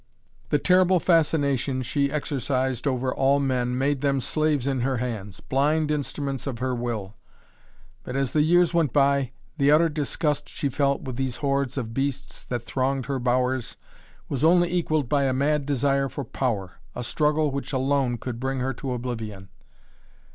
The terrible fascination she exercised over all men made them slaves in her hands, blind instruments of her will. But, as the years went by, the utter disgust she felt with these hordes of beasts that thronged her bowers, was only equalled by a mad desire for power, a struggle, which alone could bring to her oblivion.